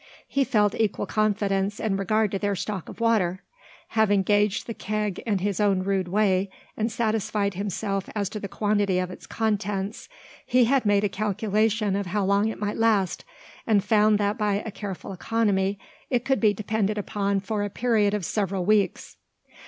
He felt equal confidence in regard to their stock of water. Having gauged the keg in his own rude way, and satisfied himself as to the quantity of its contents, he had made a calculation of how long it might last, and found that by a careful economy it could be depended upon for a period of several weeks.